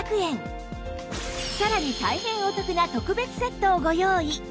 さらに大変お得な特別セットをご用意